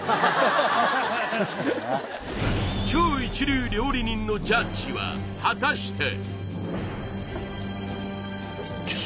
超一流料理人のジャッジは果たして！？